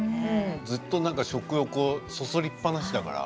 ずーっと、食欲をそそりっぱなしだから。